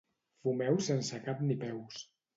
Fumeu sense cap ni peus.